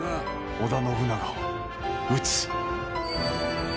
織田信長を討つ。